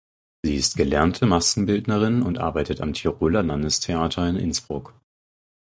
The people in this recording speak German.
Sie ist gelernte Maskenbildnerin und arbeitet am Tiroler Landestheater in Innsbruck.